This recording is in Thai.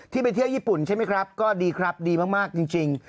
ไปเที่ยวญี่ปุ่นใช่ไหมครับก็ดีครับดีมากจริง